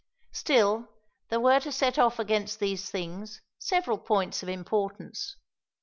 Still there were to set off against these things several points of importance.